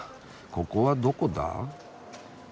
ここはどこだ？